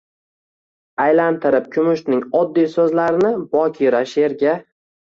Aylantirib Kumushning oddiy soʻzlarini bokira sheʼrga.